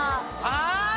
ああ！